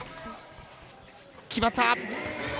決まった。